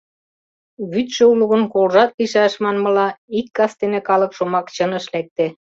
Вӱдшӧ уло гын, колжат лийшаш, манмыла, ик кастене калык шомак чыныш лекте.